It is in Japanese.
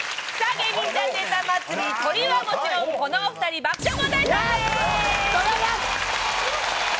『芸人ちゃんネタ祭り』トリはもちろんこのお二人爆笑問題さんです！